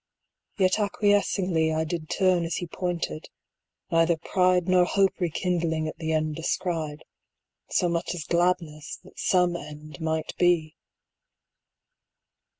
Yet acquiescingly 15 I did turn as he pointed: neither pride Nor hope rekindling at the end descried, So much as gladness that some end might be.